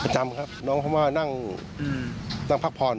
จำครับน้องเขามานั่งพักผ่อน